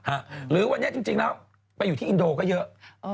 หรือวันนี้จริงแล้วไปอยู่ที่อินโดก็เยอะ